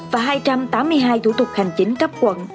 và hai trăm tám mươi hai thủ tục hành chính cấp quận